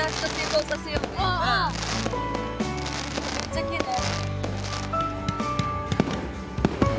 めっちゃきれい。